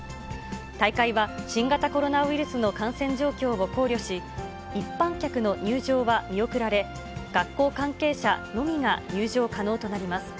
大会は新型コロナウイルスの感染状況を考慮し、一般客の入場は見送られ、学校関係者のみが入場可能となります。